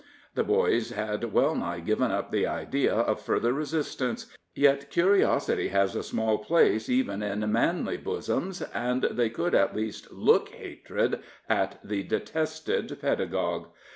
The boys had wellnigh given up the idea of further resistance, yet curiosity has a small place even in manly bosoms, and they could at least look hatred at the detested pedagogue.